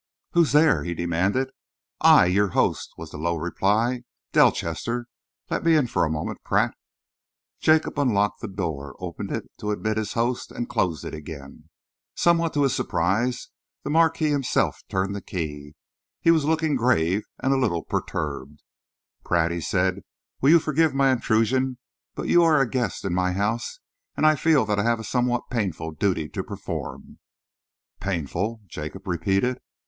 "Who's there?" he demanded. "I, your host," was the low reply, "Delchester. Let me in for a moment, Pratt." Jacob unlocked the door, opened it to admit his host, and closed it again. Somewhat to his surprise, the Marquis himself turned the key. He was looking grave and a little perturbed. "Pratt," he said, "you will forgive my intrusion, but you are a guest in my house, and I feel that I have a somewhat painful duty to perform." "Painful?" Jacob repeated.